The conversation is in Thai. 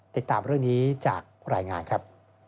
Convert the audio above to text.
ติดตามเรื่องนี้จากรายงานครับ